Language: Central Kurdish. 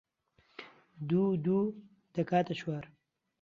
دوو و دوو دەکاتە چوار